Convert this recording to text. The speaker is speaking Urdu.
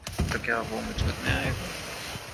تو کیا وہ اب وجود میں آئے گا؟